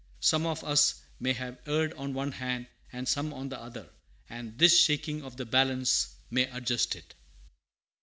Some of us may have erred on one hand and some on the other, and this shaking of the balance may adjust it.